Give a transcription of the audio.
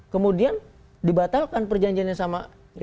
kemudian dibatalkan perjanjiannya sama